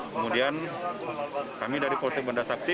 kemudian kami dari polsi bandar sabi